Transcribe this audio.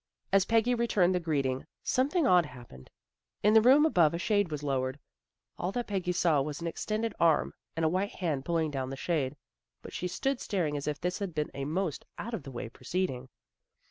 As Peggy returned the greeting, something odd happened. In the room above a shade was lowered. All that Peggy saw was an extended arm and a white hand pulling down the shade, but she stood staring as if this had been a most out of the way proceeding.